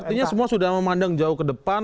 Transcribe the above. artinya semua sudah memandang jauh ke depan